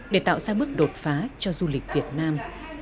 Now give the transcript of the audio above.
để tạo ra bước đột phá cho du lịch việt nam